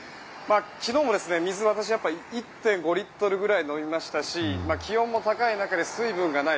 昨日も水を私は１．５リットルぐらい飲みましたし気温も高い中で水分がない。